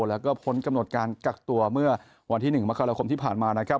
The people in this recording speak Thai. แล้วก็พ้นกำหนดการกักตัวเมื่อวันที่๑มกราคมที่ผ่านมานะครับ